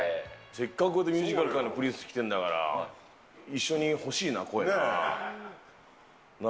せっかくミュージカル界のプリンス来てるんだから、一緒に欲しいな、声な。